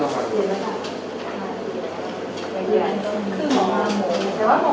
ใช่ครับ